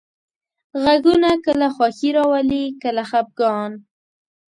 غږونه کله خوښي راولي، کله خپګان.